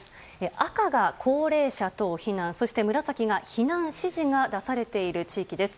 赤が高齢者等避難そして紫が避難指示が出されている地域です。